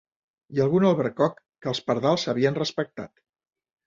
I algun albercoc que els pardals havien respectat